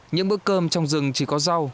những bữa cơm trong rừng chỉ có rau